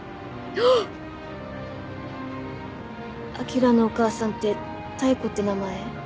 あきらのお母さんって妙子って名前？